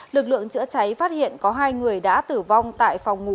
lực lượng chữa cháy phát hiện có hai người đã tử vong tại phòng ngủ